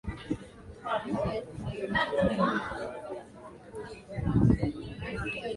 altitude mia nne mpaka meta elfu moja